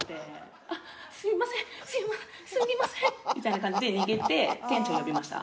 「あっすみませんすみません」みたいな感じで逃げて店長呼びました。